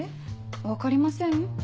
分かりません？